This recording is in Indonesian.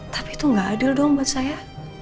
tapi itu gak adil dong buat saya